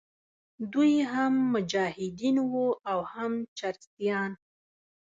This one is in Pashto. دوی هم مجاهدین وو او هم چرسیان.